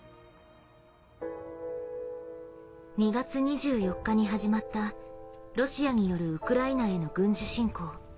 ２月２４日に始まったロシアによるウクライナへの軍事侵攻。